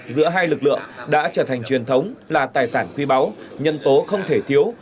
giữa hai lực lượng đã trở thành truyền thống là tài sản quý báu nhân tố không thể thiếu